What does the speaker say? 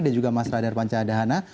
dan juga mas radar panca dahana